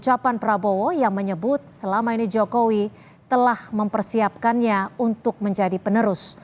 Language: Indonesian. ucapan prabowo yang menyebut selama ini jokowi telah mempersiapkannya untuk menjadi penerus